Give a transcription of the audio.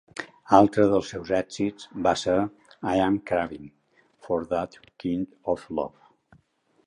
Altre dels seus èxits va ser "I'm Cravin' for that Kind of Love".